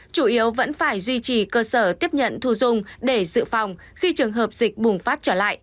chủ yếu vẫn phải duy trì cơ sở tiếp nhận thu dung để dự phòng khi trường hợp dịch bùng phát trở lại